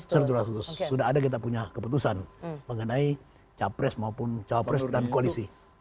setelah tujuh belas agustus sudah ada kita punya keputusan mengenai capres maupun cawapres dan koalisi